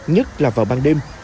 nhất là vào ban đêm